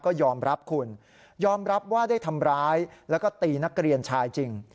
ก็ยอมรับคุณยอมรับว่าได้ทำร้ายแล้วก็ตีนักเรียนชายจริง